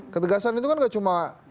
ketegasan itu kan gak cuma